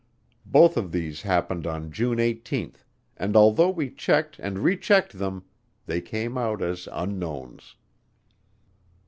Both of these happened on June 18, and although we checked and rechecked them, they came out as unknowns.